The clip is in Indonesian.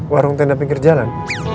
warung tenda pinggir jalan